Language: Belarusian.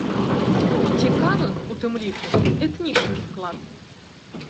Цікавы, у тым ліку, этнічны склад.